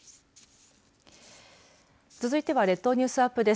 続いては列島ニュースアップです。